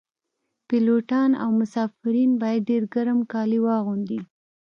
پیلوټان او مسافرین باید ډیر ګرم کالي واغوندي